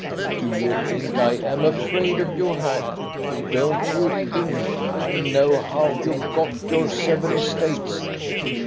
" "Do you think I am afraid of you, hag.^ Don't you think I know how you got your seven estates